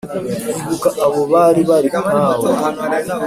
Ibuka abo bari bari nkawe